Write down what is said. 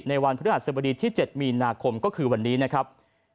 วันพฤหัสบดีที่๗มีนาคมก็คือวันนี้นะครับ